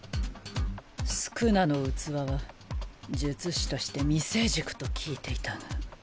宿儺の器は術師として未成熟と聞いていたが。